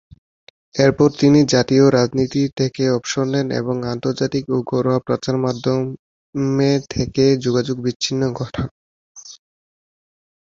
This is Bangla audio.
এরপর তিনি জাতীয় রাজনীতি থেকে অবসর নেন এবং আন্তর্জাতিক ও ঘরোয়া প্রচার মাধ্যমে থেকে যোগাযোগ বিচ্ছিন্ন ঘটান।